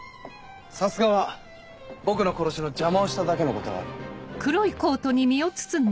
さすがは僕の殺しの邪魔をしただけのことはある。